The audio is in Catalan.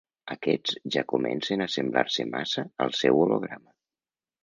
Aquests ja comencen a semblar-se massa al seu holograma.